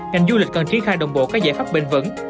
ngành du lịch cần triển khai đồng bộ các giải pháp bền vững